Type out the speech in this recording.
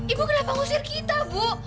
ibu kenapa ngusir kita bu